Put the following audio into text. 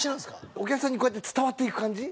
お客さんにこうやって伝わっていく感じ